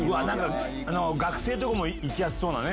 学生とかも行きやすそうなね。